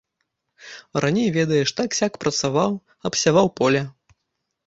Раней, ведаеш, так-сяк працаваў, абсяваў поле.